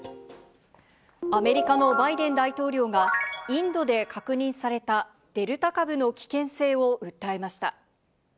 アメリカのバイデン大統領が、インドで確認されたデルタ株の危険性を訴えました。